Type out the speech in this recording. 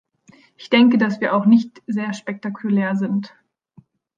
Ich denke, dass wir auch nicht sehr spektakulär sind.